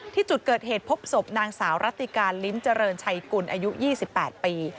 ที่จุดเกิดเหตุพบศพนางสาวรัติการลิ้มเจริญชัยกุลอายุ๒๘ปี